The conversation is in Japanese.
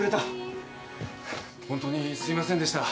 ホントにすいませんでした。